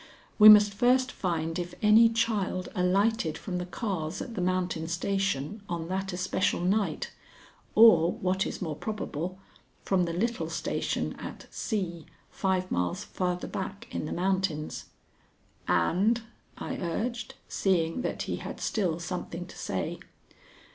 We must first find if any child alighted from the cars at the Mountain Station on that especial night, or, what is more probable, from the little station at C., five miles farther back in the mountains." "And " I urged, seeing that he had still something to say.